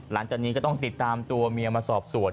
หลังจากนี้ก็ต้องติดตามตัวเมียมาสอบสวน